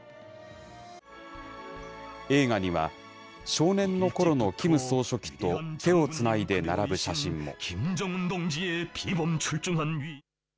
映画には、少年のころのキム総書記と手をつないで並ぶ写真も。